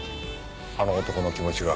あの男の気持ちが。